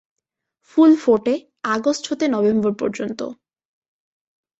ফুল ফোটে আগস্ট হতে নভেম্বর পর্যন্ত।